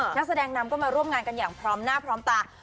นักแสดงนำก็มาร่วมงานกันอย่างพร้อมหน้าพร้อมตา